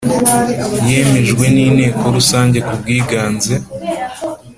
Yemejwe n inteko rusange kubwiganze